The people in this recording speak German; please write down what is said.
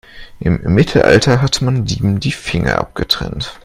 Im Mittelalter hat man Dieben die Finger abgetrennt.